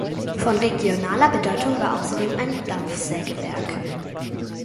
Von regionaler Bedeutung war außerdem ein Dampfsägewerk.